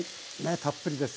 たっぷりです。